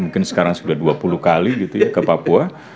mungkin sekarang sudah dua puluh kali ke papua